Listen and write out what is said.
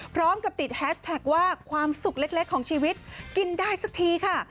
พร้อมกับติดแฮสแท็กว่าความสุขเล็กของชีวิตกินได้สักทีค่ะ